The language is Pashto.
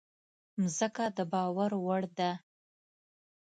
مځکه د باور وړ ده.